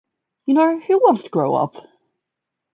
You know, who wants to grow up?